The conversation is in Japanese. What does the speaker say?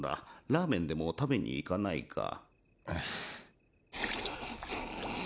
ラーメンでも食べに行かないか？